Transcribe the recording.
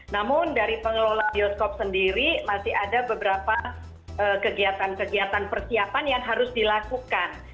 namun dari pengelola bioskop sendiri masih ada beberapa kegiatan kegiatan persiapan yang harus dilakukan